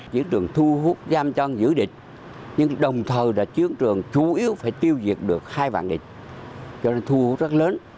chiến trường thu hút giam chân giữ địch nhưng đồng thời là chiến trường chủ yếu phải tiêu diệt được hai vạn địch cho nên thu rất lớn